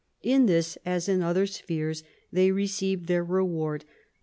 In this, as in other spheres, they receive their reward.